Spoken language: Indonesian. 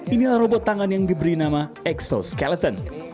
inilah robot tangan yang diberi nama exoskeleton